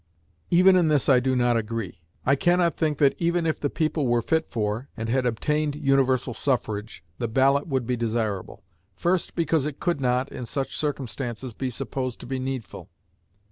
"Even in this I do not agree. I can not think that even if the people were fit for, and had obtained universal suffrage, the ballot would be desirable. First, because it could not, in such circumstances, be supposed to be needful.